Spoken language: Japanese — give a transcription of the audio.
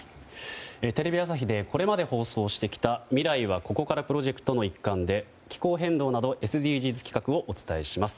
テレビ朝日でこれまで放送してきた未来はここからプロジェクトの一環で気候変動などＳＤＧｓ企画をお伝えします。